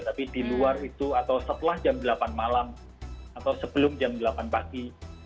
tapi di luar itu atau setelah jam delapan malam atau sebelum jam delapan pagi